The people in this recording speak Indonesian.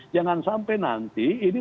jangan sampai nanti ini